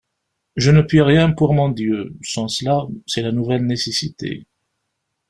Je ne puis rien pour mon Dieu, sans cela: c'est la nouvelle nécessité.